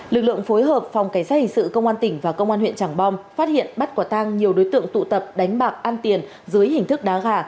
lực lượng phối hợp phòng cảnh sát hình sự công an tỉnh và công an huyện trảng bom phát hiện bắt quả tang nhiều đối tượng tụ tập đánh bạc ăn tiền dưới hình thức đá gà